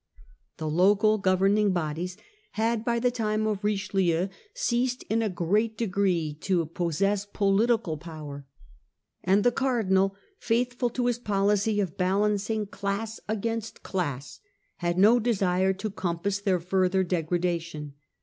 The local governing bodies had by the time of Richelieu ceased in a great degree to possess political The hour P ower * an ^ the cardinal, faithful to his policy geoisie. of balancing class against class, had no desire to compass their further degradation.